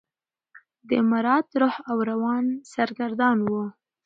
د مراد روح او روان سرګردانه و.